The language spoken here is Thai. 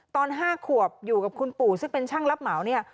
ตอน๕ขวบอยู่กับคุณปู่ซึ่งเป็นช่างรับเหมาเนี่ย